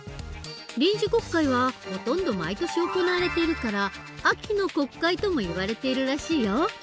臨時国会はほとんど毎年行われているから「秋の国会」ともいわれているらしいよ。